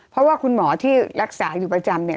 เพราะว่าคุณหมอที่รักษาอยู่ประจำเนี่ย